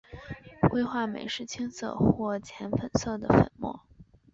硅化镁是青色或浅紫色的粉末。